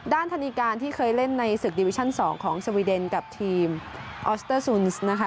ธนิการที่เคยเล่นในศึกดิวิชั่น๒ของสวีเดนกับทีมออสเตอร์ซุนส์นะคะ